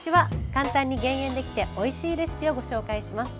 簡単に減塩できておいしいレシピをご紹介します。